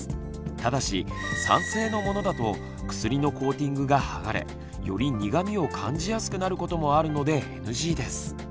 ただし酸性のものだと薬のコーティングが剥がれより苦みを感じやすくなることもあるのでＮＧです。